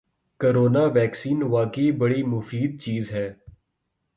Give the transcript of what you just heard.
corona vaccine واقعی بڑی مفید چیز ہے